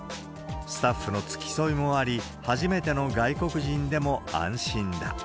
スタッフの付き添いもあり、初めての外国人でも安心だ。